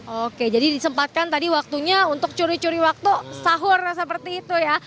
oke jadi disempatkan tadi waktunya untuk curi curi waktu sahur seperti itu ya